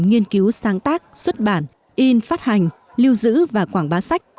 nghiên cứu sáng tác xuất bản in phát hành lưu giữ và quảng bá sách